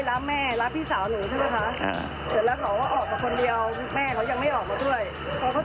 สวัสดีครับ